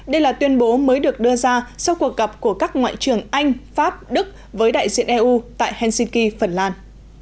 đây là tuyên bố mới được đưa ra sau cuộc gặp của các ngoại trưởng anh pháp đức với đại diện eu tại helsinki phần lan